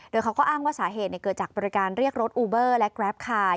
โดยเขาก็อ้างว่าสาเหตุเกิดจากบริการเรียกรถอูเบอร์และแกรปคาย